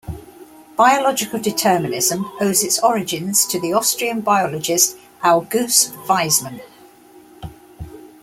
Biological determinism owes its origins to the Austrian biologist August Weismann.